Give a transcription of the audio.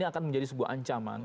akan menjadi sebuah ancaman